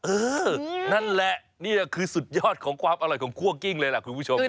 เออนั่นแหละนี่คือสุดยอดของความอร่อยของคั่วกิ้งเลยล่ะคุณผู้ชมนะ